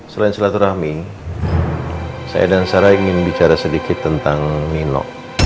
selain silaturahmi saya dan sarah ingin bicara sedikit tentang nino